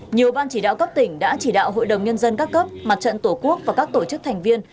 nhiều ban chỉ đạo cấp tỉnh đã chỉ đạo hội đồng nhân dân các cấp mặt trận tổ quốc và các tổ chức thành viên